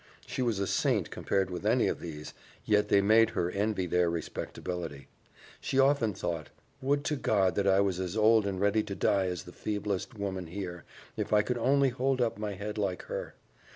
She was a saint compared with any of these, yet they made her envy their respectability. She often thought, "Would to God that I was as old and ready to die as the feeblest woman here, if I could only hold up my head like her!"